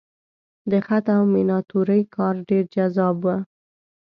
د خط او میناتورۍ کار ډېر جذاب و.